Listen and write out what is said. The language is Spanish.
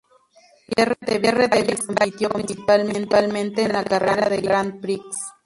Pierre de Vizcaya compitió principalmente en la carrera de Grand Prix.